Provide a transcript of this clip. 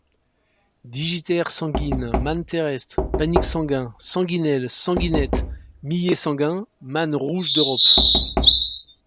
Digitaire sanguine, manne terrestre, panic sanguin, sanguinelle, sanguinette, millet sanguin, manne rouge d'Europe.